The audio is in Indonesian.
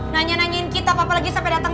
nanya nanyain kita apa lagi sampai datang